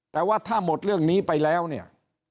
แต่ว่าถ้าหมดเรื่องนี้ไปแล้วเนี่ย